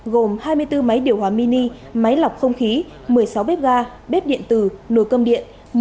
gồm hai mươi bốn máy điều hòa mini máy lọc không khí một mươi sáu bếp ga bếp điện tử nồi cơm điện